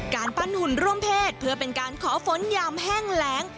การปั้นหุ่นร่วมเพศเพื่อเป็นการขอฝนยามแห้งแรง